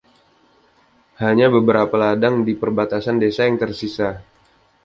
Hanya beberapa ladang di perbatasan desa yang tersisa.